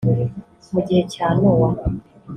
Mu gihe cya Nowa